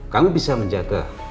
kami bisa menjaga